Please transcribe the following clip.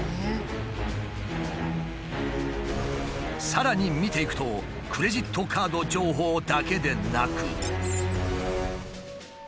さらに見ていくとクレジットカード情報だけでなく。